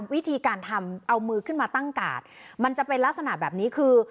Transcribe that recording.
วิธีการทำเอามือขึ้นมาตั้งกาดมันจะเป็นลักษณะแบบนี้คือ